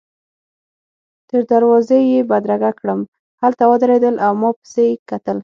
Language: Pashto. تر دروازې يې بدرګه کړم، هلته ودرېدل او ما پسي کتل.